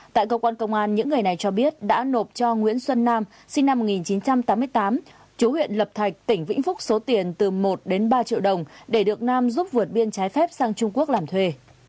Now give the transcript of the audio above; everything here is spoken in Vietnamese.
tại cơ quan công an những người này cho biết đã nộp cho nguyễn xuân nam sinh năm một nghìn chín trăm tám mươi tám chú huyện lập thạch tỉnh vĩnh phúc số tiền từ một đến ba triệu đồng để được nam giúp vượt biên trái phép sang trung quốc làm thuê